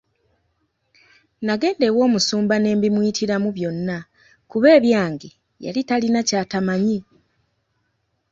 Nagenda ew'omusumba ne mbimuyitiramu byonna kuba ebyange yali talina ky'atamanyi.